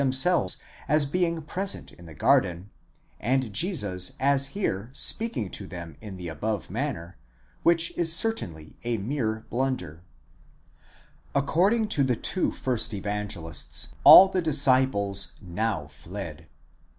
653 themselves as being present in the garden, and Jesus as here speaking to them in the above manner, which is certainly a mere blunder.!° According to the two first Evangelists, all the disciples now fled.